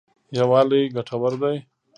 یوالی ګټور دی.